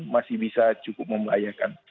masih bisa cukup memelayakan